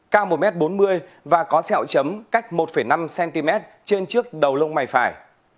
cao một m bốn mươi và có sẹo chấm cách một năm cm trên trước đầu lông mày phải